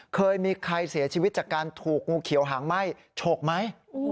เคยมีใครเสียชีวิตจากการถูกงูเขียวหางไหม้โฉกไหม